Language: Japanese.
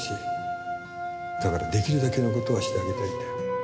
だから出来るだけの事はしてあげたいんだよ。